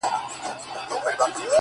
چا ویل دا چي!! ژوندون آسان دی!!